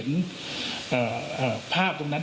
ขออนุญาตแค่นี้ครับ